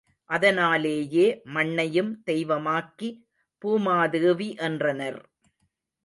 அதனாலேயே மண்ணையும் தெய்வமாக்கி, பூமாதேவி என்றனர்.